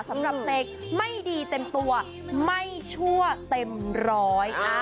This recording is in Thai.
สำหรับเพลงไม่ดีเต็มตัวไม่ชั่วเต็มร้อย